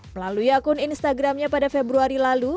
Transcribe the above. melalui akun instagramnya pada februari lalu